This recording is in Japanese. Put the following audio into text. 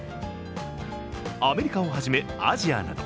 アメリカをはじめ、アジアなど